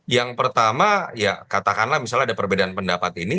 yang pertama ya katakanlah misalnya ada perbedaan pendapat ini